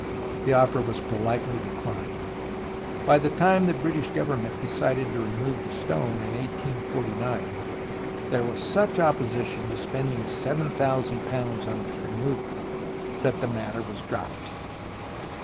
The offer was politely declined. By the time the British Government decided to remove the stone, in 1849, there was such opposition to spending £7000 on its removal, that the matter was dropped.